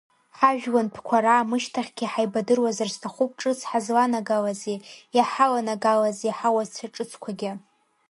Ҳажәлантәқәа раамышьҭахьгьы ҳаибадыруазар сҭахуп ҿыц ҳазланагалази иаҳаланагалази ҳауацәа ҿыцқәагьы.